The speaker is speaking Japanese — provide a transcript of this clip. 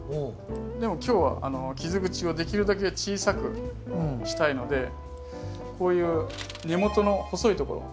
でも今日は傷口をできるだけ小さくしたいのでこういう根元の細いところ。を切る？